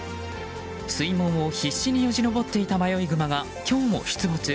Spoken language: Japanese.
水門を必死によじ登っていた迷いグマが、今日も出没。